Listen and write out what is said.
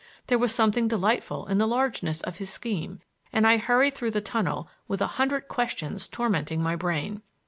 There was something delightful in the largeness of his scheme, and I hurried through the tunnel with a hundred questions tormenting my brain.